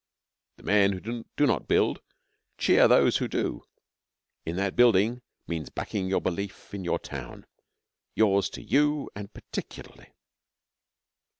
The men who do not build cheer those who do, in that building means backing your belief in your town yours to you and peculiarly.